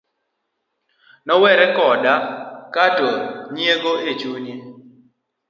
Nowere koda keto nyiego e chunye